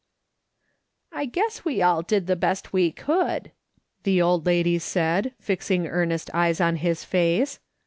" I guess we all did the best we could," the old lady said, fixing earnest eyes on his face.